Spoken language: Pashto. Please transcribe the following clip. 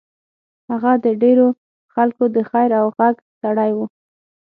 هغه د ډېرو خلکو د خېر او غږ سړی و.